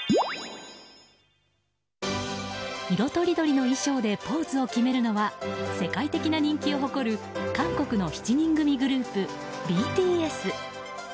色とりどりの衣装でポーズを決めるのは世界的な人気を誇る韓国の７人組グループＢＴＳ。